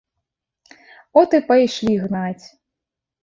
От і пайшлі гнаць.